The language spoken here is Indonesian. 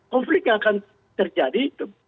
konflik yang akan terjadi